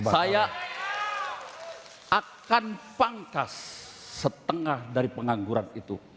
saya akan pangkas setengah dari pengangguran itu